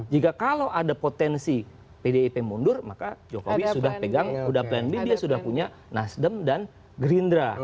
jika kalau ada potensi pdip mundur maka jokowi sudah pegang sudah plan b dia sudah punya nasdem dan gerindra